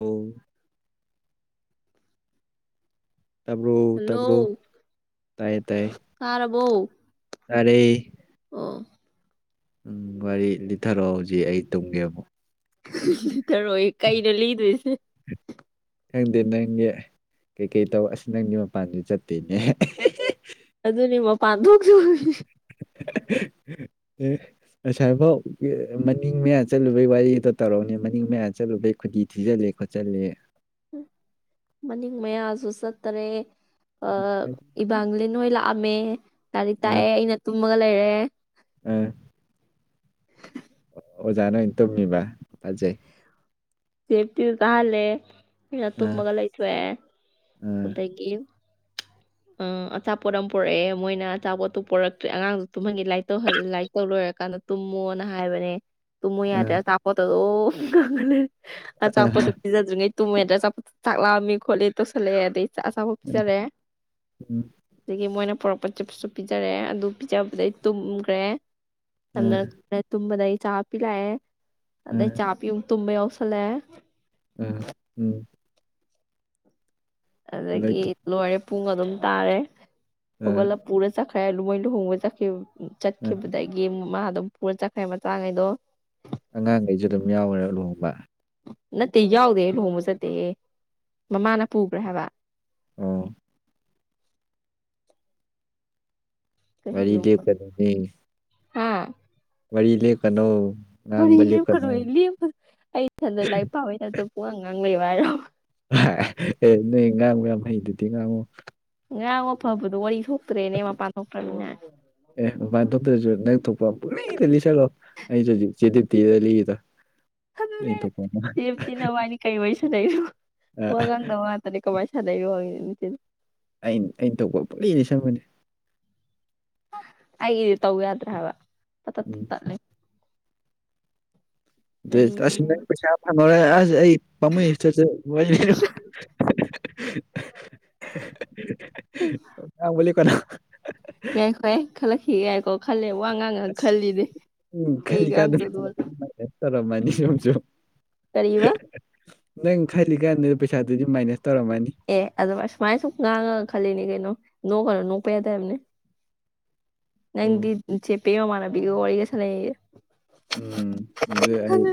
ꯑꯣ ꯇꯥꯕ꯭ꯔꯣ ꯇꯥꯕ꯭ꯔꯣ ꯍꯜꯂꯣ ꯇꯥꯏꯌꯦ ꯇꯥꯏꯌꯦ ꯇꯥꯔꯕꯣ ꯇꯥꯔꯦ ꯑꯣ ꯎꯝ ꯋꯥꯔꯤ ꯂꯤꯊꯔꯑꯣ ꯍꯧꯖꯤꯛ ꯑꯩ ꯇꯨꯝꯒꯦ ꯑꯃꯨꯛ ꯂꯤꯊꯔꯣꯏ ꯀꯩꯅꯣ ꯂꯤꯗꯣꯏꯁꯦ ꯈꯪꯗꯦ ꯅꯪꯒꯤ ꯀꯩꯀꯩ ꯇꯧ ꯑꯁ ꯅꯪꯒꯤ ꯃꯄꯥꯟꯖꯨ ꯆꯠꯇꯦꯅꯦ ꯑꯍꯦ ꯍꯦ ꯑꯗꯨꯅꯦ ꯃꯄꯥꯟ ꯊꯣꯛꯁꯨ ꯍ ꯍ ꯑꯁꯥꯏꯐꯥꯎ ꯏ ꯃꯅꯤꯡ ꯃꯌꯥ ꯆꯠꯂꯨꯕꯩ ꯋꯥꯔꯤꯗꯣ ꯇꯧꯔꯛꯎꯅꯦ ꯃꯅꯤꯡ ꯃꯌꯥ ꯆꯠꯂꯨꯕꯩ ꯈꯨꯗꯤ ꯊꯤꯖꯜꯂꯦ ꯈꯣꯠꯆꯜꯂꯦ ꯎꯝ ꯃꯅꯤꯡ ꯃꯌꯥꯁꯨ ꯆꯠꯇꯔꯦ ꯑ ꯏꯕꯥꯥꯡꯂꯤꯟ ꯍꯣꯏ ꯂꯥꯛꯑꯝꯃꯦ ꯂꯥꯏꯔꯤꯛ ꯇꯥꯛꯑꯦ ꯑꯩꯅ ꯇꯨꯝꯃꯒ ꯂꯩꯔꯦ ꯑ [inaudible] ꯑꯣꯖꯥꯅ ꯑꯣꯏꯅ ꯇꯨꯝꯃꯤꯕ ꯐꯖꯩ ꯁꯦꯞꯇꯤ ꯗꯨ ꯇꯥꯛꯍꯜꯂꯦ ꯑꯩꯅ ꯑꯥ ꯇꯨꯝꯃꯒ ꯂꯩꯊꯣꯛꯑꯦ ꯑꯥ ꯑꯗꯒꯤ [inaudible] ꯑ ꯑꯆꯥꯄꯣꯠ ꯑꯃ ꯄꯣꯔꯛꯑꯦ ꯃꯣꯏꯅ ꯑꯆꯥꯄꯣꯠꯇꯣ ꯄꯣꯔꯛꯇ꯭ꯔꯦ ꯑꯉꯥꯡꯗꯨ ꯇꯨꯝꯍꯟꯒꯤ ꯂꯥꯏꯔꯤꯛꯇꯧꯍꯜ ꯂꯥꯏꯔꯤꯛ ꯇꯧ ꯂꯣꯏꯔ ꯀꯥꯟꯗ ꯇꯨꯝꯃꯣꯅ ꯍꯥꯏꯕꯅꯦ ꯇꯨꯃꯣ ꯌꯥꯗ꯭ꯔꯦ ꯑꯥ ꯑꯆꯥꯄꯣꯠꯇꯣ ꯗꯨꯝ ꯉꯪꯉ ꯂꯩꯔꯦ ꯑꯥ ꯑꯆꯥꯄꯣꯠꯇꯣ ꯄꯤꯖꯗ꯭ꯔꯤꯉꯩ ꯇꯨꯃꯦ ꯗꯩ ꯆꯥꯛ ꯂꯥꯝꯃꯦ ꯈꯣꯠꯂꯦ ꯇꯧꯁꯜꯂꯛꯑꯦ ꯑꯗꯩ ꯆ ꯑꯆꯥꯄꯣꯠ ꯄꯤꯖꯔꯦ ꯎꯝ ꯑꯗꯩꯒꯤ ꯃꯣꯏꯅ ꯄꯣꯔꯛ ꯄ ꯆꯤꯞꯁꯨ ꯄꯤꯖꯔꯦ ꯑꯗꯨ ꯄꯤꯖꯕꯗꯩ ꯇꯨꯝꯒ꯭ꯔꯦ ꯑꯥ ꯁꯝꯅꯅ ꯇꯨꯝꯕꯗꯩ ꯆꯥ ꯄꯤ ꯂꯥꯛꯑꯦ ꯑꯗꯩ ꯑꯥ ꯆꯥ ꯄꯤ ꯇꯨꯝꯕ ꯌꯥꯎꯁꯜꯂꯦ ꯑꯥ ꯎꯝ ꯑꯗꯒꯤ ꯂꯩꯇꯦ ꯂꯣꯏꯔꯦ ꯄꯨꯡ ꯑꯗꯨꯝ ꯇꯥꯔꯦ ꯑꯥ ꯍꯧꯒꯠꯂ ꯄꯨꯔ ꯆꯠ ꯈ꯭ꯔꯦ ꯃꯣꯏ ꯂꯨꯍꯣꯡꯕ ꯆꯠꯈꯤ ꯑꯥ ꯆꯠꯈꯤꯕꯗꯒꯤ ꯃꯥ ꯑꯗꯨꯝ ꯄꯨꯔ ꯆꯠꯈ꯭ꯔꯦ ꯃꯆꯥꯉꯩꯗꯣ ꯑꯉꯥꯡꯒꯩꯁꯨ ꯑꯗꯨꯝ ꯌꯥꯎꯒ꯭ꯔꯦ ꯂꯨꯍꯣꯡꯕ ꯅꯠꯇꯦ ꯌꯥꯎꯗꯦ ꯂꯨꯍꯣꯡꯕ ꯆꯠꯇꯦꯍꯦ ꯃꯃꯥꯅ ꯄꯨꯒ꯭ꯔꯦ ꯍꯥꯏꯕꯥ ꯑꯣ ꯋꯥꯔꯤ ꯂꯦꯞꯀꯅꯣꯅꯦ ꯍꯥꯥ ꯋꯥꯔꯤ ꯂꯦꯞꯀꯅꯣ ꯋꯔꯤ ꯉꯥꯡꯕ ꯂꯦꯞꯀꯅꯣꯌꯦ ꯂꯦꯞꯀꯅꯣ ꯂꯞ ꯑꯩ ꯏꯊꯟꯗ ꯂꯥꯏꯔꯤꯛ ꯄꯥꯕꯩꯩ ꯇꯏꯞꯇ ꯄꯨꯡꯉꯥꯡ ꯉꯥꯡ ꯂꯩꯌꯣ ꯍꯥꯏꯔꯣ ꯑꯦ ꯅꯣꯏ ꯉꯥꯡꯕ ꯌꯥꯝ ꯍꯩꯗꯨꯗꯤ ꯉꯥꯡꯉꯨ ꯉꯥꯡꯕꯐꯕꯗꯣ ꯋꯥꯔꯤ ꯊꯣꯛꯇ꯭ꯔꯦꯅꯦ ꯃꯄꯥꯟ ꯊꯣꯛꯇ꯭ꯔꯅꯤꯅ ꯑꯦ ꯃꯄꯥꯟ ꯊꯣꯛꯇ꯭ꯔꯖꯨ ꯅꯪ ꯊꯣꯛꯄ ꯄꯨꯡꯂꯤꯗ ꯂꯤꯁꯂꯣ ꯑꯩꯁꯨ ꯍꯧꯖꯤꯛ ꯆꯦꯗꯤꯞꯇꯤꯗ ꯂꯤꯔꯤꯗꯣ ꯑꯗꯨꯅꯦ ꯑꯩꯅ ꯊꯣꯛꯄ ꯑꯃ ꯆꯦꯞꯇꯤ ꯅꯕꯅꯤ ꯀꯩ ꯋꯥꯏꯁꯅꯩꯅꯣ ꯑ ꯋꯥꯉꯡꯗꯕ ꯉꯛꯇꯅꯦ ꯀꯃꯥꯏ [unintelligible] [inaudible] ꯑꯩꯅ ꯑꯩꯅ ꯇꯧꯕ ꯄꯨꯡꯂꯤ ꯂꯤꯁꯤꯟꯕꯅꯦ ꯑꯩꯒꯤꯗꯤ ꯇꯧ ꯌꯥꯗ꯭ꯔꯦ ꯍꯥꯏꯕ ꯃꯇꯠ ꯎꯝ ꯇꯠ ꯑꯁ ꯀꯔꯤꯅꯣ ꯄ꯭ꯔꯁꯥꯗ ꯍꯥꯏꯅꯔꯦ ꯑꯩ [inaudible] ꯄꯥ ꯃꯨꯏꯌꯦ ꯁꯠ ꯁꯠ ꯋꯔꯤꯥ [unintelligible] ꯉꯥꯡꯕ ꯂꯦꯞ ꯀꯥꯅꯣ [unintelligible] ꯉꯏꯈꯣꯏ ꯈꯜꯂꯛꯈꯤꯒꯦ ꯉꯏꯈꯣ ꯈꯜꯂꯦ ꯋꯥ ꯉꯥꯡꯉꯥꯡ ꯑꯁ ꯈꯜꯂꯤꯅꯦ ꯅꯪ ꯈꯜꯂꯤꯀꯥꯟꯗ ꯀꯩꯉꯡꯗꯣꯏꯅꯣꯅ ꯄꯩꯁꯥꯗꯨꯗꯤ ꯃꯥꯏꯅꯁ ꯇꯧꯔꯝꯃꯅꯤ ꯌꯣꯡꯁꯨ ꯀꯔꯤꯕ ꯅꯪ ꯈꯜꯂꯤ ꯀꯥꯟꯗ ꯄꯩꯁꯥꯗꯨꯗꯤ ꯃꯥꯏꯅꯁ ꯇꯧꯔꯝꯃꯅꯤ ꯑꯦ ꯑꯗꯨꯃꯥꯏ ꯁꯨꯃꯥꯏꯅ ꯁꯨꯝ ꯉꯥꯡꯉꯒ ꯈꯜꯂꯤꯅꯦ ꯀꯩꯅꯣ ꯅꯣꯛꯀꯅꯣ ꯅꯣꯛꯄ ꯌꯥꯗꯦ ꯍꯥꯏꯕꯅꯦ ꯅꯪꯗꯤ ꯑꯣ ꯆꯦ ꯄꯦ ꯃꯥꯃꯅꯕꯤꯒ ꯋꯥꯔꯤꯒ ꯁꯅꯩꯌꯦꯌꯦ ꯎꯝ ꯑꯗꯨ ꯑꯩ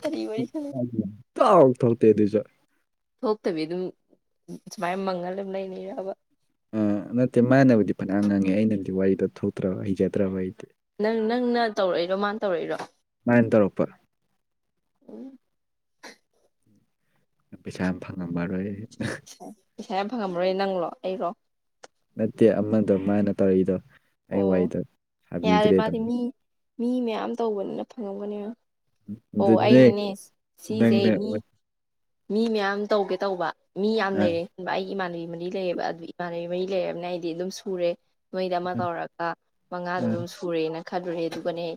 ꯀꯔꯤ ꯋꯥꯔꯤ ꯁꯥꯟꯅꯩ ꯇꯣꯛ ꯇꯣꯛꯂꯛꯇꯦ ꯑꯗꯨꯁꯨ ꯊꯣꯛꯇꯕꯤ ꯑꯗꯨꯝ ꯁꯨꯃꯥꯏꯅ ꯃꯪꯉꯂꯩꯅꯩꯔꯕ ꯑꯥ ꯅꯠꯇꯦ ꯃꯥꯅꯕꯨꯗꯤ ꯐꯅꯤꯌꯝ ꯉꯥꯡꯉꯦ ꯑꯩꯅꯗꯤ ꯋꯥꯔꯤꯗꯣ ꯊꯣꯛꯇ꯭ꯔꯕ ꯍꯩꯖꯗ꯭ꯔꯕ ꯑꯩꯗꯤ ꯅꯪ ꯅꯪꯅ ꯇꯧꯔꯛꯏꯔꯣ ꯃꯥꯅ ꯇꯧꯔꯛꯏꯔꯣ ꯃꯟꯅ ꯇꯧꯔꯛꯄ ꯎꯝ ꯄꯩꯁꯥ ꯌꯥꯝ ꯐꯪꯉꯝꯃꯔꯣꯏ ꯄꯩꯁꯥ ꯌꯝ ꯐꯪꯉꯝꯃꯔꯣꯏ ꯅꯪꯂꯣ ꯑꯩꯔꯣ ꯇꯦ ꯑꯃꯗꯣ ꯃꯥꯅ ꯇꯧꯔꯛꯏꯗꯣ ꯑꯩ ꯑꯣ ꯋꯥꯔꯤꯗꯣ ꯌꯥꯔꯦ ꯃꯥꯗꯤ ꯁꯥꯕꯤꯗ꯭ꯔꯦꯗꯅ ꯃꯤ ꯃꯤ ꯃꯌꯥꯝ ꯇꯧꯕꯅꯤꯅ ꯐꯪꯉꯝꯒꯅꯤ ꯑꯣ ꯑꯗꯨꯅꯦ ꯑꯩꯅꯅꯦ ꯁꯤꯁꯦ ꯅꯪꯅ ꯃꯤ ꯃꯤ ꯃꯌꯥꯝ ꯇꯧꯒꯦ ꯇꯧꯕ ꯃꯤ ꯌꯥꯝ ꯑ ꯂꯩꯔꯦ ꯑꯩꯒꯤ ꯏꯃꯥꯟꯅꯕꯤ ꯃꯔꯤ ꯂꯩꯌꯦꯕ ꯑꯗꯨ ꯏꯃꯥꯟꯅꯕꯤ ꯃꯔꯤ ꯂꯩꯔꯕꯅꯦ ꯑꯩꯗꯤ ꯑꯗꯨꯝ ꯁꯨꯔꯦ ꯅꯣꯏꯗ ꯑꯃ ꯑ ꯇꯧꯔꯒ ꯃꯉꯥꯗꯣ ꯑꯗꯨꯝ ꯁꯨꯔꯦꯅ ꯈꯜꯔꯨꯔꯦ ꯑꯗꯨꯒꯅꯦ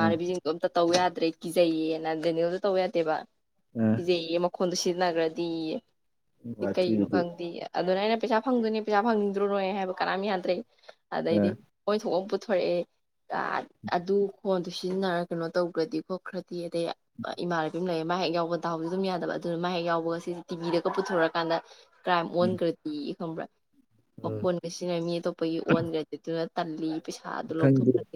ꯑ ꯑꯝꯇ ꯇꯧ ꯌꯥꯗ꯭ꯔꯦ ꯀꯤꯖꯩꯌꯦꯅ ꯗꯦꯅꯦꯜꯖꯨ ꯇꯧ ꯌꯥꯗꯦꯕ ꯑ ꯀꯤꯖꯩꯌꯦ ꯃꯈꯣꯟꯗꯣ ꯁꯤꯖꯤꯟꯅꯈ꯭ꯔꯗꯤꯌꯦ ꯀꯩꯒꯤꯅꯣ ꯋꯥꯊꯤꯗꯤ ꯈꯪꯗꯦ ꯑꯗꯨꯅꯦ ꯑꯩꯅ ꯄꯩꯁꯥ ꯐꯪꯗꯣꯏꯅꯦ ꯄꯩꯁꯥ ꯐꯪꯅꯤꯡꯗ꯭ꯔꯣ ꯅꯣꯏ ꯍꯥꯏꯕ ꯀꯅꯥꯝ ꯌꯥꯗ꯭ꯔꯦ ꯑ ꯑꯗꯩꯗꯤ ꯑꯣꯏꯊꯣꯄ ꯄꯨꯊꯣꯔꯛꯑꯦ ꯑꯗꯨ ꯈꯣꯟꯗꯨ ꯁꯤꯖꯤꯟꯅꯔꯒ ꯀꯩꯅꯣ ꯇꯧꯈ꯭ꯔꯗꯤ ꯈꯣꯠꯈ꯭ꯔꯗꯤ ꯑꯗꯩ ꯏꯃꯥꯟꯅꯕꯤ ꯑꯃ ꯂꯩ ꯃꯥ ꯉꯍꯦꯛ ꯌꯥꯎꯕ ꯗꯎꯖꯨ ꯑꯗꯨꯝ ꯌꯥꯗꯕ ꯑꯗꯨꯅ ꯃꯥ ꯍꯦꯛ ꯌꯥꯎꯕꯒ ꯁꯤꯁꯦ ꯇꯤꯚꯤꯗꯒ ꯄꯨꯊꯣꯔꯛꯑꯀꯟꯗ ꯀ꯭ꯔꯥꯏꯝ ꯎꯝ ꯑꯣꯟꯈ꯭ꯔꯗꯤ ꯈꯪꯕ꯭ꯔꯥ ꯎꯝ ꯃꯈꯣꯟꯒ ꯁꯤꯖꯤꯅ ꯃꯤ ꯑꯇꯣꯞꯄꯒꯤ ꯑꯣꯟꯈ꯭ꯔꯗꯤ ꯑꯗꯨꯅ ꯇꯜꯂꯤ ꯄꯩꯁꯥꯗꯨ ꯈꯪꯗꯦ ꯂꯧꯊꯣꯛꯈ꯭ꯔꯗꯤ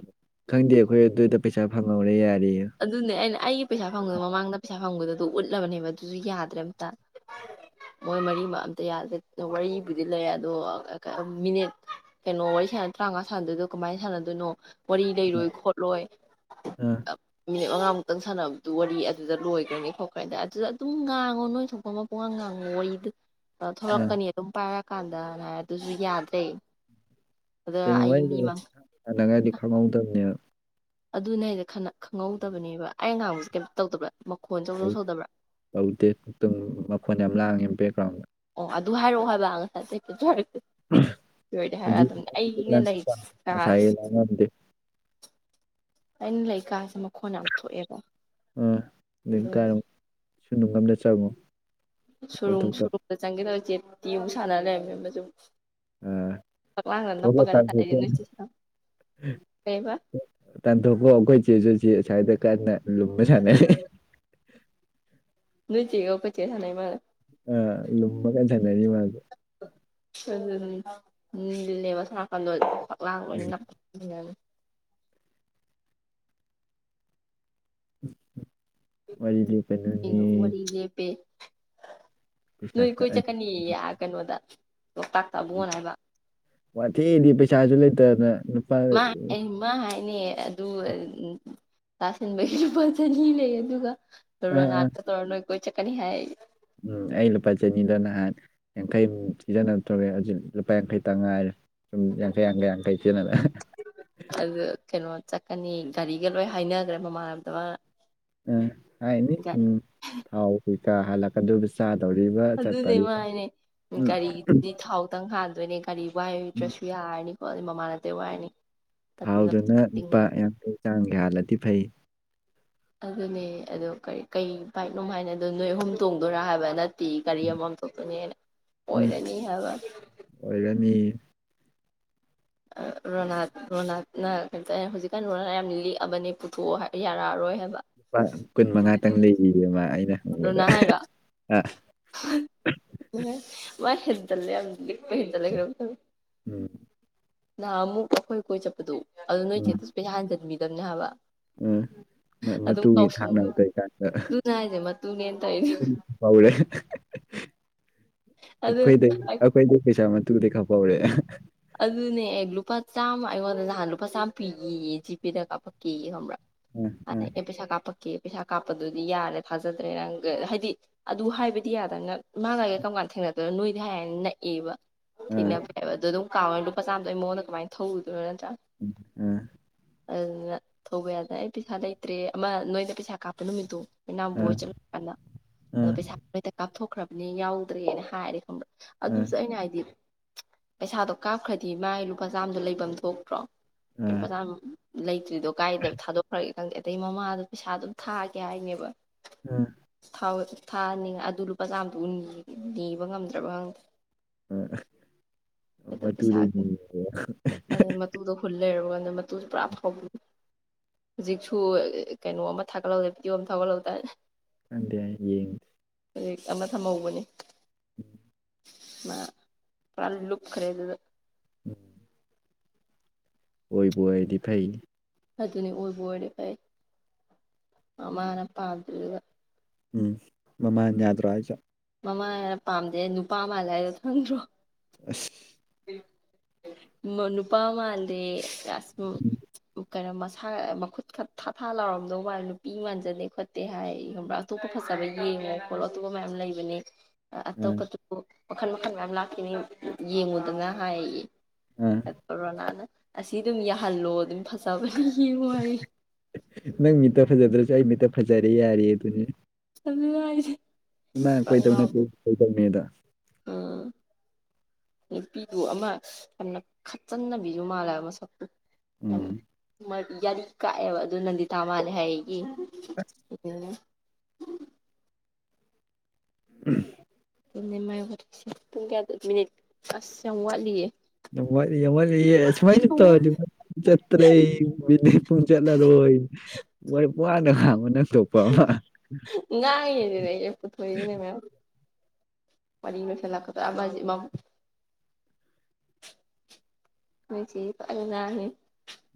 ꯈꯪꯗꯦ ꯑꯩꯈꯣꯏ ꯑꯗꯨꯗ ꯄꯩꯁꯥ ꯐꯪꯍꯧꯔꯦ ꯌꯥꯔꯤꯌꯣ ꯑꯗꯨꯅꯦ ꯑꯩꯅ ꯑꯩꯒꯤ ꯄꯩꯁꯥ ꯐꯪꯕꯗꯣ ꯃꯃꯥꯡꯗ ꯄꯩꯁꯥ ꯐꯪꯕꯗꯣ ꯎꯠꯂꯕꯅꯦ ꯑꯗꯨꯁꯨ ꯌꯥꯗ꯭ꯔꯦ ꯑꯃꯝꯇ ꯃꯣꯏ ꯃꯔꯤ ꯃꯛ ꯑꯝꯇ ꯌꯥꯗꯦ ꯋꯥꯔꯤꯕꯨꯗꯤ ꯂꯩ ꯑꯗꯣ ꯃꯤꯅꯤꯠ ꯀꯩꯅꯣ ꯋꯥꯔꯤ ꯁꯥꯅ ꯇꯔꯥꯉꯥꯥ ꯁꯅꯗꯣꯏꯗꯣ ꯀꯃꯥꯏꯅꯥ ꯁꯟꯗꯣꯏꯅꯣ ꯋꯥꯔꯤ ꯎꯝ ꯂꯩꯔꯣꯏ ꯈꯣꯠꯂꯣꯏ ꯑꯥ ꯃꯉꯥ ꯃꯨꯛꯇꯪ ꯁꯥꯟꯅꯕꯗꯨ ꯋꯥꯔꯤ ꯑꯗꯨꯗ ꯂꯣꯏꯈ꯭ꯔꯅꯤ ꯈꯣꯠꯈ꯭ꯔꯅꯤꯗ ꯑꯗꯨꯗ ꯑꯗꯨꯝ ꯉꯥꯡꯉꯣ ꯅꯣꯏ ꯊꯣꯛꯄꯃ ꯄꯨꯡꯉꯥꯡ ꯉꯥꯡꯉꯣ ꯋꯥꯔꯤꯗꯨ ꯑꯥ ꯊꯂꯛꯀꯅꯤ ꯑꯗꯨꯝ ꯄꯥꯏꯔꯛ ꯀꯥꯟꯗꯅ ꯍꯏꯔ ꯑꯗꯨꯁꯨ ꯌꯥꯗ꯭ꯔꯦ ꯑꯗ ꯀꯩꯅꯣ ꯑꯩ ꯋꯥꯔꯤ ꯃꯤ ꯃꯥꯡ ꯁꯥꯟꯅꯒꯔꯗꯤ ꯈꯪꯍꯧꯗꯕꯅꯦꯕ ꯑꯗꯨꯅꯦ ꯍꯏꯖꯦ ꯈꯪꯍꯧꯗꯕꯅꯦꯕ ꯑꯩꯅ ꯉꯥꯡꯕꯁꯦ ꯀꯩꯝꯇ ꯇꯧꯗꯕ꯭ꯔꯥ ꯃꯈꯣꯟ ꯆꯧꯗꯧ ꯁꯧꯗꯕ꯭ꯔꯥ ꯇꯧꯗꯦ ꯑꯃꯨꯇꯪ ꯃꯈꯣꯟ ꯌꯥꯝ ꯂꯥꯡꯉꯦ ꯕꯦꯛꯒ꯭ꯔꯥꯎꯟꯗ ꯑꯣ ꯑꯗꯨ ꯍꯥꯏꯔꯛꯑꯣ ꯍꯥꯏꯕ ꯉꯁꯤ ꯁꯣꯏꯗꯦ ꯍꯥꯏꯔ ꯍꯧꯖꯤꯛ ꯑꯗꯨꯅꯤ ꯑꯩꯅ ꯂꯩ ꯀꯥꯥꯁꯦ ꯉꯁꯥꯏꯒꯤ ꯂꯥꯡꯉꯝꯗꯦ [inaudible] ꯑꯩꯅ ꯂꯩꯀꯥꯁꯦ ꯃꯈꯣꯟ ꯌꯥꯝ ꯊꯣꯛꯑꯦꯕ ꯑꯥ ꯑꯗꯩ ꯑꯗꯨꯒꯤ ꯀꯔꯣ ꯁꯨꯔꯨꯡ ꯑꯃꯗ ꯆꯥꯪ ꯉꯣ ꯁꯨꯔꯨꯡ ꯁꯨꯔꯨꯝꯗ ꯆꯪꯒꯦ ꯇꯧꯋꯦ ꯆꯦꯠꯇꯤ ꯑꯃꯨꯛ ꯁꯥꯟꯅ ꯂꯩꯔꯝꯃꯦ ꯑꯃꯖꯨ ꯑꯥ ꯐꯛꯂꯥꯡꯗ ꯊꯣꯛꯑꯒ ꯅꯞꯄꯒꯅꯤ ꯁꯥꯥꯅꯩꯁꯦ ꯇꯥꯟꯊꯣꯛꯈꯣ ꯅꯣꯢ ꯆꯦ ꯀꯩꯕ ꯇꯥꯟꯊꯣꯛꯈꯣ ꯑꯣꯒꯣꯏ ꯆꯦꯁꯨ ꯁ꯭ꯋꯥꯏꯗ ꯀꯟꯅ ꯂꯨꯃ ꯁꯅꯔꯤ ꯅꯣꯢꯆꯦꯒ ꯑꯈꯣꯢ ꯆꯦ ꯒ ꯁꯥꯅꯩ ꯃꯥꯂꯦ ꯑꯥ ꯂꯨꯝꯃꯒ ꯁꯅꯔꯤ ꯃꯥꯁꯨ ꯎꯝ ꯅꯤꯜꯅꯦꯕ ꯁꯣꯝꯅꯥꯀꯟꯗꯣ ꯐꯛꯂꯥꯡ ꯂꯣꯏ ꯎꯝ ꯅꯞꯄꯅꯤꯅ [unintelligible] ꯑꯩꯅ ꯋꯥꯔꯤ ꯂꯦꯞꯄꯦ [inaudible] ꯄꯩꯁꯥ ꯅꯣꯏ ꯀꯣꯏ ꯀꯛꯑꯅꯤ ꯆꯠꯀꯅꯤꯌꯦ ꯑ ꯀꯩꯅꯣꯗ ꯂꯣꯛꯇꯥꯛ ꯇꯥ ꯑꯕꯨꯉꯣꯅ ꯍꯥꯏꯕ ꯋꯥꯊꯤꯗꯤ ꯄꯩꯁꯥꯁꯨ ꯂꯩꯇꯅ ꯃꯥ ꯃꯥ ꯍꯥꯏꯅꯤ ꯑꯗꯨ ꯇꯥꯁꯤꯟꯕꯒꯤ ꯂꯨꯄꯥ ꯆꯅꯤ ꯂꯩ ꯑꯗꯨꯒ ꯑꯥ ꯑꯥ ꯔꯣꯅꯥꯇꯧꯔ ꯅꯣꯏ ꯀꯣꯏ ꯆꯠꯀꯅꯤ ꯍꯥꯏ ꯎꯝ ꯑꯩ ꯂꯨꯄꯥ ꯆꯅꯤꯗꯣ ꯅꯍꯥꯟ ꯌꯥꯡꯈꯩ ꯁꯤꯖꯟꯅ ꯊꯣꯛꯑꯦ ꯍꯧꯖꯤꯛ ꯂꯨꯄꯥ ꯌꯥꯡꯈꯩ ꯇ ꯉꯥꯏꯔꯦ ꯎꯝ ꯌꯥꯡꯈꯩ ꯌꯥꯡꯈꯩ ꯆꯦꯅ [unintelligible] ꯑꯗꯨ ꯀꯩꯅꯣ ꯆꯠꯀꯅꯤ ꯒꯥꯔꯤꯒ ꯂꯣꯏ ꯍꯥꯏꯅꯒ꯭ꯔꯦ ꯃꯃꯥꯟꯅꯕꯗ ꯃꯥꯅ ꯎꯝ ꯍꯥꯏꯅꯤ ꯎꯝ ꯊꯥꯎ ꯀꯩꯀ ꯍꯥꯜꯂꯛꯀꯗ ꯆꯥꯛ ꯑꯗꯨꯅꯦ ꯃꯥꯥ ꯍꯥꯏꯅꯦ ꯎꯝ ꯒꯥꯔꯤꯗꯨꯗꯤ ꯊꯥꯎꯇꯪ ꯍꯥꯥꯟꯗꯣꯏꯅꯦ ꯥꯒꯥꯔꯤ ꯋꯥꯏꯗ꯭ꯔꯁꯨ ꯌꯥꯔꯅꯤ ꯈꯣꯠꯂꯅꯤ ꯃꯃꯥꯅꯕꯗꯩ ꯋꯥꯏꯔꯅꯤ ꯑꯗꯨꯅ ꯊꯥꯎꯗꯨꯅ ꯂꯨꯄꯥ ꯇꯤꯡꯉꯅꯨ ꯌꯥꯡꯈꯩ ꯆꯥꯃꯒꯤ ꯍꯥꯜꯂꯗꯤ ꯐꯩ ꯑꯗꯨꯅꯦ ꯑꯗꯨ ꯀꯔꯤ ꯀꯩ ꯕꯥꯥꯏꯛ ꯅꯣꯃ ꯍꯥꯏꯅꯦ ꯑꯗꯣ ꯅꯣꯏ ꯑꯍꯨꯝ ꯇꯣꯡꯗꯣꯏꯔꯥ ꯍꯥꯏꯕ ꯅꯠ ꯇꯤ ꯒꯥꯔꯤ ꯑꯃꯃꯝ ꯇꯣꯡꯗꯣꯢꯅꯦ ꯎꯝ ꯑꯣꯏꯔꯅꯤ ꯍꯥꯏꯕ ꯑꯣꯏꯔꯅꯤ ꯑ ꯔꯣꯅꯥꯜ ꯔꯣꯅꯥꯠꯅ ꯀꯩꯅꯣ ꯍꯧꯖꯤꯛꯀꯥꯟ ꯔꯣꯅꯥꯠ ꯌꯥꯝꯅ ꯂꯤꯛꯑꯕꯅꯦ ꯄꯨꯊꯣꯛꯑꯣ ꯌꯥꯔꯛꯑꯔꯣꯏ ꯍꯥꯏꯕ ꯂꯨꯄꯥ ꯀꯨꯟ ꯃꯉꯥꯇꯪ ꯂꯩꯔꯤ ꯃꯥ ꯑꯩꯅ ꯍꯪꯕꯗ ꯑ ꯎꯁ [unintelligible] ꯍꯦꯟꯖꯜꯂꯦ ꯌꯥꯝ ꯂꯤꯛꯄ ꯍꯦꯟꯖꯜꯂ ꯀꯩꯅꯣꯝ ꯇꯧꯑꯦ ꯎꯝ ꯅꯍꯥꯟ ꯑꯃꯨꯛ ꯑꯩꯈꯣꯏ ꯀꯣꯏ ꯆꯠꯄꯗꯣ ꯑꯗꯨ ꯅꯣꯏ ꯎꯝ ꯆꯦꯇꯤꯁ ꯄꯩꯁꯥ ꯍꯟꯖꯤꯟꯕꯤꯗꯕꯅꯦ ꯍꯥꯏꯕ ꯎꯝ ꯑꯗꯨꯝ ꯃꯇꯨꯒꯤ ꯀꯥꯎꯁꯟꯅꯩ ꯊꯥꯛꯅꯕ ꯇꯧꯏꯀꯥꯟꯗ ꯑꯗꯨꯅ ꯍꯥꯏꯁꯦ ꯃꯇꯨꯅꯦꯅ ꯇꯧꯔꯤꯗꯣ ꯑꯈꯣꯢꯗꯤ ꯄꯧꯔꯦ ꯑꯗꯨ ꯑꯩꯈꯣꯏꯗꯤ ꯑꯩꯈꯣꯏꯗꯤ ꯄꯩꯁꯥ ꯃꯇꯨꯗꯩ ꯈꯞꯄꯧꯔꯦ ꯑꯗꯨꯅꯦ ꯑꯦ ꯂꯨꯄꯥ ꯆꯥꯝꯃ ꯑꯩꯉꯣꯟꯗ ꯅꯍꯥꯟ ꯂꯨꯄꯥ ꯆꯥꯝꯃ ꯄꯤꯒꯦꯌꯦ ꯖꯤꯄꯦꯗ ꯀꯥꯞꯄꯛꯀꯦ ꯈꯪꯕ꯭ꯔꯥ ꯑꯗ ꯑꯦ ꯄꯩꯁ ꯀꯥꯞꯄꯛ ꯑꯣꯀꯦ ꯄꯩꯁꯥ ꯀꯥꯞꯄꯗꯨꯗꯤ ꯌꯥꯔꯦ ꯊꯥꯖꯗ꯭ꯔꯦ ꯅꯪ ꯍꯥꯏꯗꯤ ꯑꯗꯨ ꯍꯥꯏꯕꯗꯤ ꯌꯥꯗꯝꯅꯤꯅ ꯃꯥꯛ ꯑꯩꯒ ꯀꯔꯝ ꯀꯥꯟꯗ ꯊꯦꯡꯅꯗꯣꯏꯅꯣ ꯅꯣꯏꯗꯤ ꯍꯥꯏ ꯍꯥꯢꯅ ꯅꯛꯑꯦꯕ ꯊꯦꯡꯅꯕꯩ ꯑꯗꯣ ꯑꯗꯨꯝ ꯀꯥꯎꯋꯦ ꯂꯨꯄꯥ ꯆꯥꯃꯗꯣ ꯑꯩ ꯃꯥꯉꯣꯟꯗ ꯀꯃꯥꯏ ꯊꯧꯔꯨꯗꯣꯏꯅ ꯎꯝ ꯑꯗꯨꯅ ꯊꯧꯕ ꯌꯥꯗꯅ ꯑꯩ ꯄꯩꯁꯥ ꯂꯩꯇ꯭ꯔꯦ ꯑꯃ ꯅꯣꯏꯗ ꯄꯩꯁꯥ ꯀꯥꯞꯄ ꯅꯨꯃꯤꯠꯇꯣ ꯃꯤꯅꯥꯕ ꯑꯣꯏ ꯆꯠꯂꯨ ꯀꯥꯟꯗ ꯑꯗꯣ ꯄꯩꯁꯥ ꯅꯣꯢꯗ ꯀꯥꯞꯊꯣꯛꯈ꯭ꯔꯕꯅꯤ ꯌꯥꯎꯗ꯭ꯔꯦꯅ ꯍꯥꯏꯔꯦ ꯈꯪꯕ꯭ꯔꯥ ꯑꯗꯨꯁꯨ ꯑꯩꯅ ꯍꯥꯏꯗꯤ ꯄꯩꯁꯥꯗꯣ ꯀꯥꯞꯈ꯭ꯔꯗꯤ ꯃꯥꯥꯏ ꯂꯨꯄꯥ ꯆꯥꯝꯃꯗꯣ ꯂꯩꯐꯝ ꯊꯣꯛꯄ꯭ꯔꯣ ꯂꯨꯄꯥ ꯆꯥꯃ ꯂꯩꯇ꯭ꯔꯤꯗꯣ ꯀꯥꯏꯗ ꯊꯥꯗꯣꯛꯈ꯭ꯔꯒꯦ ꯈꯪꯗꯦ ꯑꯗꯩ ꯃꯃꯥꯗ ꯄꯩꯁꯥ ꯑꯗꯨꯝ ꯊꯥꯒꯦ ꯍꯥꯏꯅꯦꯕ ꯑꯝ ꯊꯥꯅꯤꯡꯉ ꯑꯗꯨ ꯂꯨꯄꯥ ꯆꯥꯝꯃꯗꯨ ꯅꯤꯕ ꯉꯝꯗ꯭ꯔꯕ ꯈꯪꯗ꯭ꯔꯦ ꯑ ꯃꯇꯨꯗꯒꯤ ꯄꯩꯁꯥꯒꯤ ꯅꯤꯔꯦꯌꯦ ꯂꯩꯔꯝꯒꯅꯨ ꯃꯇꯨꯁꯨ ꯄꯨꯔꯥ ꯑꯐꯥꯎꯕꯤ ꯍꯧꯖꯤꯛꯁꯨ ꯀꯩꯅꯣ ꯑꯃ ꯊꯥꯒꯠꯍꯧꯗꯥꯏ ꯚꯤꯗꯤꯑꯣ ꯑꯃ ꯊꯥꯒꯠꯍꯧꯗꯥꯏ ꯈꯪꯗꯦ ꯑꯩ ꯌꯦꯡꯗꯦ ꯍꯧꯖꯤꯛ ꯑꯃ ꯊꯝꯍꯧꯕꯅꯦ ꯃꯥ ꯄꯨꯔꯥ ꯂꯨꯞꯈ꯭ꯔꯦ ꯑꯗꯨꯗ ꯎꯝ ꯑꯣꯏꯕꯨ ꯑꯣꯏꯔꯗꯤ ꯐꯩ ꯑꯗꯨꯅꯤ ꯑꯣꯏꯕꯨ ꯑꯣꯏꯔꯗꯤ ꯐꯩ ꯃꯃꯥꯅ ꯄꯥꯝꯗ꯭ꯔꯤꯗꯨꯒ ꯎꯝ ꯃꯃꯥꯅ ꯌꯥꯗ꯭ꯔꯣ ꯍꯥꯏꯖꯦ ꯃꯃꯥꯅ ꯄꯥꯝꯗꯦ ꯅꯨꯄꯥ ꯃꯥꯜꯂꯦ ꯍꯥꯏꯗꯣ ꯈꯪꯗ꯭ꯔꯣ ꯑꯁ ꯃ ꯅꯨꯄꯥ ꯃꯥꯥꯟꯗꯦ ꯑꯥꯁ ꯎꯝ ꯀꯩꯅꯣ ꯃꯁꯥ ꯃꯈꯨꯠ ꯈꯥ ꯊꯥ ꯊꯥ ꯂꯥꯎꯔꯝꯗꯧ ꯃꯥꯂꯦ ꯅꯨꯄꯤ ꯃꯥꯟꯖꯗꯦ ꯈꯣꯠꯇꯦ ꯍꯥꯏꯌꯦꯌꯦ ꯈꯪꯕ꯭ꯔꯥ ꯑꯇꯣꯞꯄ ꯐꯖꯕ ꯗ [inaudible] ꯌꯦꯡꯉꯣ ꯈꯣꯠꯂꯣ ꯑꯇꯣꯞꯄ ꯃꯌꯥꯝ ꯂꯩꯕꯅꯦ ꯎꯝ ꯑꯇꯣꯞꯄꯗꯨ ꯃꯈꯜ ꯃꯈꯜ ꯃꯌꯥꯝ ꯂꯥꯛꯈꯤꯅꯤ ꯌꯦꯡꯉꯨꯗꯅ ꯍꯥꯏꯌꯦꯌꯦ ꯑ ꯑ ꯑꯗꯣ ꯔꯣꯅꯥꯜꯅ ꯑꯁꯤ ꯑꯗꯨꯝ ꯌꯥꯍꯜꯂꯣ ꯑꯗꯨꯝ ꯐꯖꯕꯅꯤ ꯌꯦꯡꯉꯣ ꯍꯥꯏꯌꯦ ꯅꯪ ꯃꯤꯠꯇ ꯐꯖꯗ꯭ꯔꯖꯨ ꯑꯩ ꯃꯤꯠꯇ ꯐꯖꯔꯦ ꯌꯥꯔꯦ ꯑꯗꯨꯅꯤꯅꯦ ꯑꯗꯨꯅꯦ ꯍꯥꯏꯖꯦ ꯅꯪꯅ ꯀꯣꯏꯗꯧ ꯅꯠꯇꯦ ꯑꯩꯅ ꯀꯣꯏꯗꯧꯅꯦꯗꯣ ꯎꯝ ꯅꯨꯄꯤꯗꯨ ꯑꯃ ꯌꯥꯝꯅ ꯈꯠꯆꯟꯅꯕꯤꯖꯨ ꯃꯥꯜꯂꯦꯕ ꯃꯁꯛꯇꯣ ꯌꯥꯝꯅ ꯎꯝ ꯃꯥ ꯌꯥꯔꯤ ꯀꯥꯛꯑꯦꯕ ꯑꯗꯨꯅ ꯅꯟꯗꯤꯇꯥ ꯃꯥꯜꯂꯦ ꯍꯥꯌꯦꯌꯦ ꯑꯁ ꯎꯝ ꯎꯝ ꯑꯗꯨꯅꯦ ꯃꯥꯥꯏ ꯋꯥꯔꯤꯁꯦ ꯄꯨꯡ ꯀꯌꯥꯗ ꯃꯤꯅꯤꯠ ꯑꯁ ꯌꯥꯝ ꯋꯥꯠꯂꯤꯌꯦ ꯌꯥꯝ ꯋꯥꯠꯂꯤ ꯌꯥꯝ ꯋꯥꯠꯂꯤꯌꯦ ꯁꯨꯃꯥꯏꯅ ꯁꯨꯝ ꯇꯧꯔꯗꯤ ꯄꯨꯡ ꯆꯠꯇ꯭ꯔꯦ ꯃꯤꯅꯤꯠ ꯄꯨꯡ ꯆꯠꯂꯔꯣꯏ ꯍꯣꯏ ꯋꯥꯔꯤ ꯋꯥꯅ ꯈꯥꯡ ꯉꯥꯡꯏꯖꯨꯅꯦ ꯑꯩꯖꯨ ꯄꯨꯊꯣꯛꯏꯁꯤꯅꯦ ꯃꯌꯥꯝ ꯋꯥꯔꯤ ꯂꯣꯏꯁꯟꯂꯛꯀꯗꯣꯔꯦ ꯑꯃꯖꯤ ꯃꯝ ꯅꯣꯏ ꯆꯦꯖꯤ ꯐꯖꯅ ꯉꯥꯡꯏꯍꯦ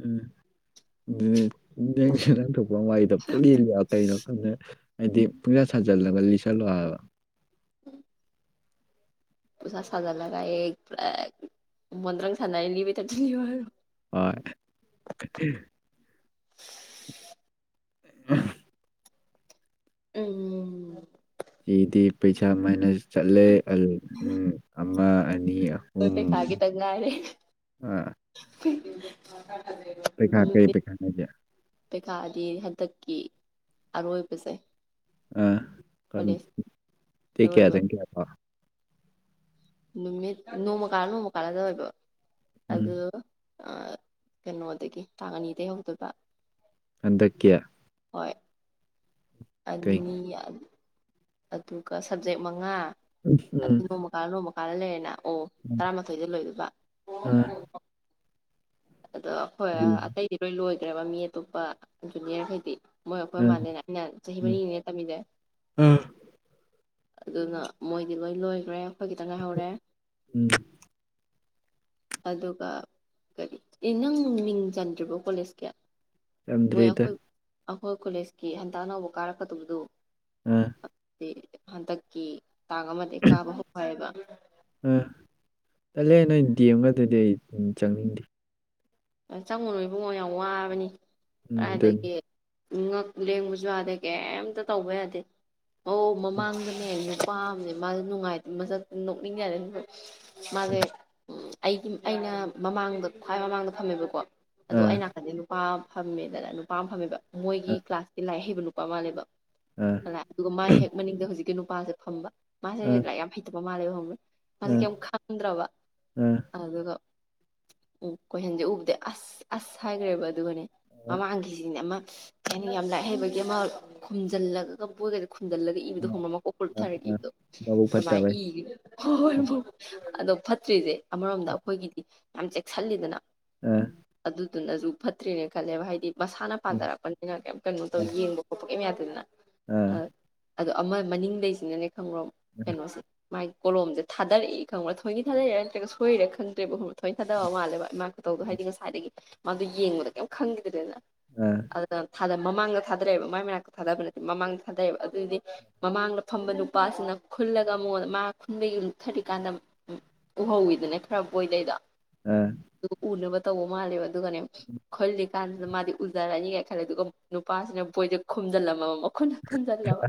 ꯎꯝ ꯕꯤꯕꯤ ꯅꯪꯁꯨ ꯅꯪꯊꯣꯛꯄ ꯑꯃ ꯋꯥꯥꯔꯤꯗꯣ ꯄꯨꯂꯤ ꯂꯤꯌꯣꯕ ꯀꯩꯅꯣ ꯈꯪꯗꯦ ꯍꯥꯏꯗꯤ ꯄꯨꯡꯁꯥ ꯁꯥꯖꯤꯜꯂꯒ ꯂꯤꯁꯜꯂꯣ ꯍꯥꯏꯕ [inaudible] ꯑꯣꯖꯥ ꯁꯖꯜꯂꯒ ꯑꯦ ꯄꯔꯛ ꯃꯣꯟꯗ꯭ꯔꯪ ꯁꯥꯟꯅꯔ ꯂꯤꯕꯩ ꯇꯥꯏꯞꯇ ꯂꯤꯌꯣ ꯍꯥꯏꯔꯣ ꯍꯣꯏ [inaudible] ꯑꯍꯝ ꯎꯝ ꯑꯩꯗꯤ ꯄꯩꯁꯥ ꯃꯥꯏꯅꯁ ꯆꯠꯂꯦ ꯑꯗꯨꯅ ꯎꯝ ꯑꯃ ꯑꯅ ꯃꯤ ꯑꯩꯈꯣꯏ ꯑꯍꯨꯝ ꯄꯩꯈꯥ ꯑꯥ ꯍꯤ [unintelligible] ꯄꯩꯈꯥ ꯀꯩ ꯄꯩꯈꯥꯅꯣ ꯅꯣꯏꯗꯤ ꯄꯩꯈꯥꯗꯤ ꯍꯟꯗꯛꯀꯤ ꯑꯔꯣꯏꯕꯁꯦ ꯑꯤ ꯀꯟ ꯀꯣꯂꯦꯖ ꯗꯦꯠ ꯑꯔꯣꯏꯕ ꯀꯌꯥꯗꯒꯤ ꯀꯌꯥꯥ ꯐꯥꯎ ꯅꯨꯃꯤꯠ ꯅꯣꯡꯃ ꯀꯥꯜꯂ ꯅꯣꯡꯃ ꯀꯥꯜꯂ ꯇꯧꯑꯦꯕ ꯎꯝ ꯑꯗꯣ ꯑꯥ ꯀꯩꯅꯣꯗꯒꯤ ꯇꯥꯡ ꯑꯅꯤꯗꯒꯤ ꯍꯧꯗꯣꯏꯕ ꯍꯟꯗꯛꯀꯤ ꯍꯣꯏ ꯀꯩ ꯑꯅꯤ ꯑꯥ ꯑꯗꯨꯒ ꯁꯕꯖꯦꯛ ꯃꯉꯥ ꯎꯝ ꯑꯗꯨ ꯅꯣꯡꯃ ꯀꯥꯜꯂ ꯅꯣꯡꯃ ꯀꯥꯜꯂ ꯂꯩꯔꯦꯅ ꯑꯣ ꯇꯔꯥꯃꯥꯊꯣꯏꯗ ꯂꯣꯏꯗꯣꯏꯕ ꯑꯥ ꯑꯗꯣ ꯑꯈꯣꯏ ꯑꯇꯩꯗꯤ ꯂꯣꯏ ꯂꯣꯏꯒ꯭ꯔꯦꯕ ꯃꯤ ꯑꯇꯣꯞꯄ ꯖꯨꯅꯤꯌꯔꯈꯩꯗꯤ ꯃꯣꯏ ꯑꯩꯈꯣꯏ ꯑꯥ ꯃꯥꯜꯂꯦꯅꯦ ꯑꯩꯅ ꯆꯍꯤ ꯃꯔꯤꯅꯤꯅꯦ ꯇꯝꯃꯤꯖꯦ ꯑꯥ ꯑꯗꯨꯅ ꯃꯣꯏꯗꯤ ꯂꯣꯏ ꯂꯣꯏꯒ꯭ꯔꯦ ꯑꯩꯈꯣꯏ ꯈꯤꯇꯪ ꯉꯥꯏꯍꯧꯔꯦ ꯎꯝ ꯑꯗꯨꯒ ꯀꯔꯤ ꯑꯦ ꯅꯪ ꯃꯤꯡ ꯆꯟꯗ꯭ꯔꯤꯕꯣ ꯀꯣꯂꯦꯖꯀꯤ ꯃꯣꯏ ꯆꯟꯗ꯭ꯔꯤꯗ ꯑꯩꯈꯣꯏ ꯑꯩꯈꯣꯏ ꯀꯣꯂꯦꯖꯀꯤ ꯍꯟꯇꯛ ꯑꯅꯧꯕ ꯀꯥꯔꯛꯀꯗꯕꯗꯨ ꯑꯥ ꯍꯟꯗꯛꯀꯤ ꯇꯥꯡ ꯑꯃꯗꯩ ꯀꯥꯕ ꯍꯧ ꯍꯥꯏꯕ ꯑꯥ ꯇꯜꯂꯦ ꯅꯣꯏ ꯗꯦꯝꯒꯗꯨꯗꯤ ꯑꯩ ꯆꯪꯅꯤꯡꯗꯦ ꯆꯪꯉꯨꯅꯣ ꯏꯕꯨꯡꯉꯣ ꯌꯥꯝ ꯋꯥꯕꯅꯤ ꯎꯝ ꯑꯗꯨꯅꯤ ꯀꯗꯥꯏꯗꯒꯤ ꯉꯛ ꯂꯦꯡꯕꯁꯨ ꯌꯥꯗꯦ ꯀꯩꯝꯇ ꯇꯧꯕ ꯌꯥꯗꯦ ꯑꯧ ꯃꯃꯥꯡꯗꯅꯦ ꯅꯨꯄꯥꯝꯅꯦ ꯃꯥꯁꯦ ꯅꯨꯡꯉꯥꯏꯇ ꯃꯁ ꯅꯣꯛꯅꯤꯡꯖꯗ ꯃꯥꯁꯦ [unintelligible] ꯎ ꯑꯩꯒꯤ ꯑꯩꯅ ꯃꯃꯥꯡꯗ ꯈ꯭ꯋꯥꯏ ꯃꯃꯥꯡꯗ ꯐꯝꯃꯦꯕꯀꯣ ꯑꯗꯣ ꯑꯥ ꯑꯩ ꯅꯥꯀꯟꯗꯩ ꯅꯨꯄꯥ ꯐꯝꯃꯦꯗꯅ ꯅꯨꯄꯥ ꯑꯃ ꯐꯝꯃꯦꯕ ꯃꯣꯏꯒꯤ ꯑꯥ ꯀ꯭ꯂꯥꯁꯀꯤ ꯂꯥꯏꯔꯤꯛ ꯍꯩꯕ ꯅꯨꯄꯥ ꯃꯥꯜꯂꯦꯕ ꯑꯥ ꯂꯥꯛ ꯑꯗꯨꯒ ꯃꯥꯥꯏ ꯍꯦꯛ ꯃꯅꯤꯡꯗ ꯍꯧꯖꯤꯛꯀꯤ ꯅꯨꯄꯥꯁꯦ ꯐꯝꯕ ꯃꯥꯁꯦ ꯑꯥ ꯂꯥꯏꯔꯤꯛ ꯌꯥꯝ ꯍꯩꯇꯕ ꯃꯥꯜꯂꯦꯕ ꯈꯪꯕ꯭ꯔ ꯃꯁꯤ ꯑꯥ ꯀꯦꯝ ꯈꯪꯗ꯭ꯔꯕ ꯑꯥ ꯑꯗꯨꯒ ꯎꯝ ꯀꯣꯏꯁꯟꯁꯦ ꯎꯕꯗ ꯑꯁ ꯑꯁ ꯍꯥꯏꯈ꯭ꯔꯦꯕ ꯑꯗꯨꯒꯅꯦ ꯃꯃꯥꯡꯒꯤꯁꯤꯅꯦ ꯑꯃ ꯀꯩ ꯍꯥꯏꯅꯤ ꯌꯥꯝ ꯂꯥꯏꯔꯤꯛ ꯍꯩꯕꯒꯤ ꯑꯃ ꯈꯨꯝꯖꯤꯜꯂꯒꯒ ꯕꯣꯏꯒꯖꯦ ꯈꯨꯝꯖꯤꯜꯂꯒ ꯏꯕꯗꯣ ꯑꯥ ꯈꯪꯕ꯭ꯔ ꯃꯀꯣꯛꯀ ꯂꯨꯛꯊꯔꯒ ꯑꯥ ꯏꯕꯗꯣ ꯃꯕꯨꯛ ꯑꯗꯨꯃꯥꯏꯅ ꯐꯠꯇꯕꯩ ꯏ ꯐꯥꯎ ꯑꯗꯣ ꯐꯠꯇ꯭ꯔꯤꯁꯦ ꯑꯃꯔꯣꯝꯗ ꯑꯩꯈꯣꯏꯒꯤꯗꯤ ꯌꯥꯝ ꯆꯦꯛꯁꯤꯜꯂꯤꯗꯅ ꯑꯥ ꯑꯗꯨꯅꯁꯨ ꯐꯠꯇ꯭ꯔꯔꯤꯅꯦ ꯈꯜꯂꯦꯕ ꯍꯥꯏꯗꯤ ꯃꯁꯥꯅ ꯄꯥꯖꯔꯛꯄꯅꯤꯅ ꯀꯦꯝ ꯀꯩꯅꯣ ꯇꯧ ꯑꯥ ꯌꯦꯡꯕ ꯈꯣꯠꯄ ꯀꯦꯝ ꯌꯥꯗꯦꯗꯅ ꯑꯥ ꯑꯗꯣ ꯑꯃ ꯃꯅꯤꯡꯗꯩꯁꯤꯅꯅꯦ ꯈꯪꯕ꯭ꯔꯣ ꯀꯩꯅꯣꯁꯦ ꯃꯥꯒꯤ ꯀꯣꯝꯁꯦ ꯊꯥꯔꯛꯏ ꯈꯪꯕ꯭ꯔꯥ ꯊꯣꯑꯣꯏꯒꯤ ꯊꯥꯗꯩꯔꯥ ꯅꯠꯇ꯭ꯔꯒ ꯁꯣꯏꯔꯥ ꯈꯪꯗ꯭ꯔꯦꯕ ꯈꯪꯕ꯭ꯔꯥ ꯊꯋꯣꯏ ꯊꯗꯕ ꯃꯥꯜꯂꯕ ꯃꯥ ꯑꯗꯨ ꯍꯥꯏꯗꯤ ꯉꯁꯥꯏꯗꯒꯤ ꯃꯥꯗꯣ ꯌꯦꯡꯕꯗ ꯀꯦꯝ ꯈꯪꯈꯤꯗ꯭ꯔꯦꯅ ꯑꯥ ꯑꯗꯨꯅ ꯃꯃꯥꯡꯗ ꯊꯥꯗꯔꯛꯑꯦꯕ ꯃꯥꯏ ꯃꯅꯥꯛꯇ ꯊꯥꯗꯕ ꯅꯠꯇꯦ ꯃꯃꯥꯡꯗ ꯊꯥꯗꯩꯑꯦꯕ ꯑꯗꯨꯏꯗꯤ ꯃꯃꯥꯡꯗ ꯐꯝꯕ ꯅꯨꯄꯥꯁꯤꯅ ꯈꯨꯜꯂꯒ ꯃꯉꯣꯟꯗ ꯃꯥ ꯈꯨꯟꯕ ꯂꯨꯛꯊꯔꯤꯀꯥꯟꯗ ꯎꯝ ꯎꯍꯧꯋꯤꯗꯅ ꯈꯔ ꯕꯣꯏꯗꯩꯗꯣ ꯑꯥ ꯎꯅꯕ ꯇꯧꯕ ꯃꯥꯜꯂꯦꯕ ꯑꯗꯨꯒꯅꯦ ꯈꯜꯂꯤ ꯀꯥꯟꯁꯤꯗ ꯃꯥꯗꯤ ꯎꯖꯔꯅꯤꯒꯥꯏꯅ ꯈꯜꯂꯦ ꯑꯗꯨꯒ ꯅꯨꯄꯥꯁꯤꯅ ꯕꯣꯏꯖꯦ ꯈꯨꯝꯖꯤꯜꯂꯝꯃꯕ ꯃꯈꯨꯠꯅ ꯈꯟꯖꯟꯖꯕ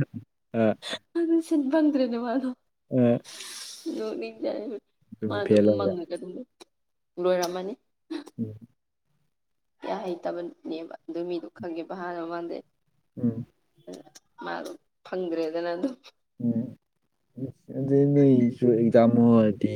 ꯑꯗꯨ ꯁꯤꯟ ꯐꯪꯗ꯭ꯔꯦꯅ ꯃꯥꯗꯣ ꯑꯦ ꯅꯣꯛ ꯅꯤꯡꯖꯥꯠꯅꯤ ꯃꯥꯗꯣ ꯑꯣꯏꯔꯦ ꯃꯪꯉꯒ ꯑꯗꯨꯝ ꯂꯣꯏꯔꯝꯃꯅꯤ ꯎꯝ ꯀꯌꯥ ꯍꯩꯇꯕꯅꯦꯕ ꯑꯗꯨ ꯃꯤꯗꯣ ꯈꯪꯉꯦꯕ ꯍꯥꯟꯅ ꯃꯃꯥꯡꯗꯩ ꯎꯝ ꯃꯥ ꯐꯪꯗ꯭ꯔꯦꯗꯅ ꯑꯗꯨꯝ ꯎꯝ ꯎꯁ ꯑꯗꯨꯗꯤ ꯅꯣꯏꯖꯨ ꯏꯛꯖꯥꯝ ꯑꯣꯏꯗꯤ